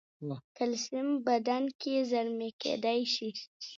کلسیم بدن کې زېرمه کېدای شي.